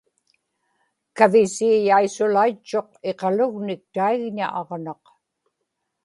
kavisiiyaisulaitchuq iqalugnik taigña aġnaq